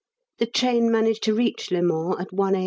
_ The train managed to reach Le Mans at 1 A.